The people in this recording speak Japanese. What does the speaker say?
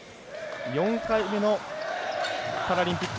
４回目のパラリンピック。